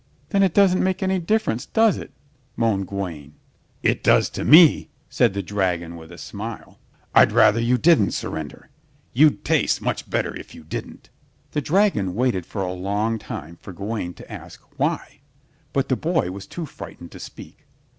"Then it doesn't make any difference, does it?" moaned Gawaine. "It does to me," said the dragon with a smile. "I'd rather you didn't surrender. You'd taste much better if you didn't." The dragon waited for a long time for Gawaine to ask "Why?" but the boy was too frightened to speak.